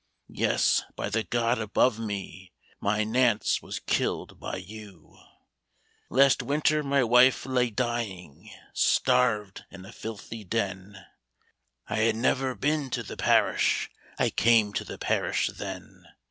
Yes, by the God above us, My Nance was killed by you !*' Last winter my wife lay dying. Starved in a filthy den ; I had never been to the parish, — I came to the parish then.